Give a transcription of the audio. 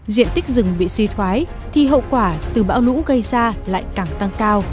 diện tích rừng bị suy thoái thì hậu quả từ bão lũ gây ra lại càng tăng cao